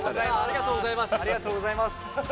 ありがとうございます。